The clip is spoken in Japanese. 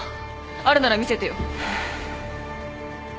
あるなら見せてよ。